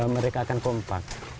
mereka akan kompak